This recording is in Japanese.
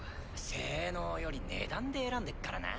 性能より値段で選んでっからなぁ。